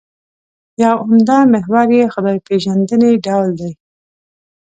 یو عمده محور یې خدای پېژندنې ډول دی.